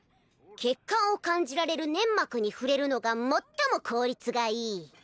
血管を感じられる粘膜に触れるのが最も効率がいい